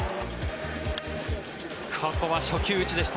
ここは初球打ちでした。